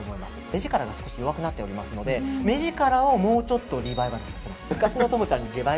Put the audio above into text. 目力からが少し弱くなっておりますので目力をもうちょっとリバイバルさせます。